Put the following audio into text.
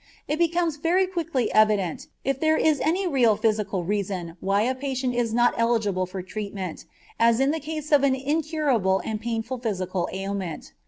It becomes very quickly evident if there is any real physical reason why a patient is not eligible for treatment, as in the case of an incurable and painful physical ailment.